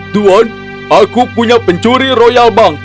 tuan aku punya pencuri royal bank